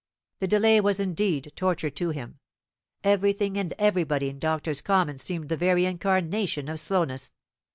The delay was indeed torture to him. Everything and everybody in Doctors' Commons seemed the very incarnation of slowness.